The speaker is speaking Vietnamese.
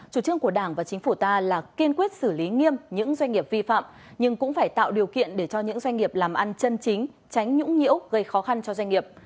chủ trương của đảng và chính phủ ta là kiên quyết xử lý nghiêm những doanh nghiệp vi phạm nhưng cũng phải tạo điều kiện để cho những doanh nghiệp làm ăn chân chính tránh nhũng nhiễu gây khó khăn cho doanh nghiệp